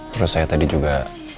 terus saya tadi juga